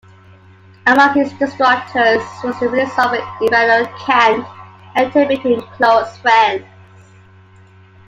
Among his instructors was the philosopher Immanuel Kant and the two became close friends.